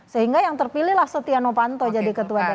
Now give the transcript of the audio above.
sehingga yang terpilihlah setia novanto jadi ketua dpr